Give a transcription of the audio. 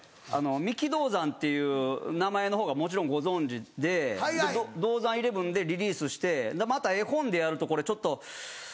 三木道三っていう名前のほうがもちろんご存じでＤＯＺＡＮ１１でリリースしてまた絵本でやるとこれちょっと。